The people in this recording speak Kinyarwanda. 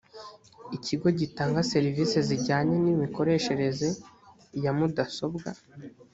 ikigo gitanga serivisi zijyanye n’imikoreshereze ya mudasobwa